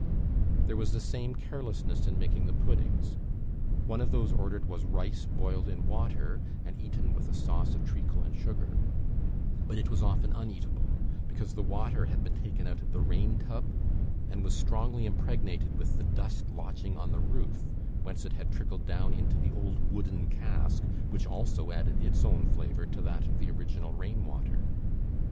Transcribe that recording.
There was the same carelessness in making the puddings; one of those ordered was rice boiled in water, and eaten with a sauce of treacle and sugar; but it was often uneatable, because the water had been taken out of the rain tub, and was strongly impregnated with the dust lodging on the roof, whence it had trickled down into the old wooden cask, which also added its own flavour to that of the original rain water.